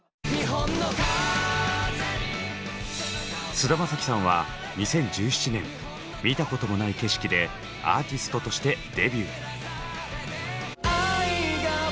菅田将暉さんは２０１７年「見たこともない景色」でアーティストとしてデビュー。